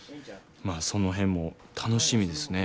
まあその辺も楽しみですね。